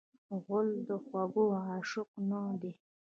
غول د خوږو عاشق نه دی.